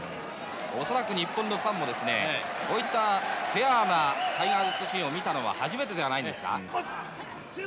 恐らく日本のファンもこういったフェアなタイガー・ジェット・シンを見たのは初めてではないですか。